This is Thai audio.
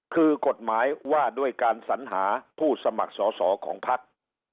คือกฎหมายว่าด้วยการสัญหาผู้สมัครสอสอของพัก